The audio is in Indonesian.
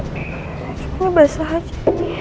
cukupnya basah aja